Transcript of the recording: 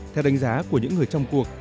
theo đánh giá của những người trong cuộc